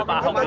pak ahok dulu